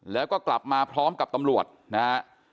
แล้วก็กลับมาพร้อมกับตำรวจนะฮะ